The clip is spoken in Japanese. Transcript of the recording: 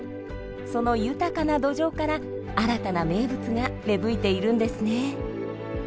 その豊かな土壌から新たな名物が芽吹いているんですね。